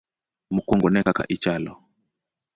Mokwongo ne e kaka ichalo.